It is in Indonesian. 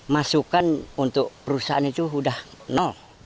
masukan untuk perusahaan itu sudah nol